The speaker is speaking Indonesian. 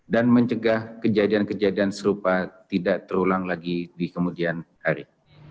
dan mencegah kejadian kejadian serupa tidak terulang lagi di kembali